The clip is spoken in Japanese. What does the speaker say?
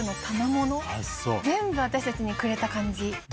全部私たちにくれた感じ。